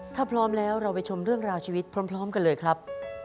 ถ้าพร้อมแล้วเราไปชมเรื่องราวชีวิตพร้อมกันเลยครับ